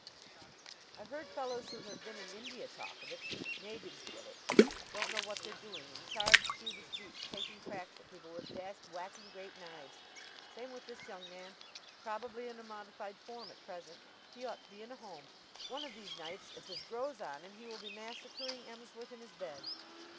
"I've heard fellows who have been in India talk of it. Natives get it. Don't know what they're doing, and charge through the streets taking cracks at people with dashed whacking great knives. Same with this young man, probably in a modified form at present. He ought to be in a home. One of these nights, if this grows on him, he will be massacring Emsworth in his bed."